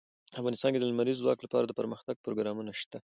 افغانستان کې د لمریز ځواک لپاره دپرمختیا پروګرامونه شته.